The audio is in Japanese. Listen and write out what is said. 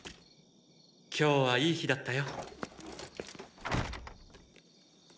今日はいい日だったよ。